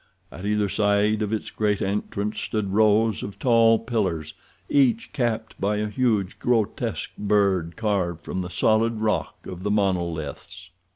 At either side of its great entrance stood rows of tall pillars, each capped by a huge, grotesque bird carved from the solid rock of the monoliths.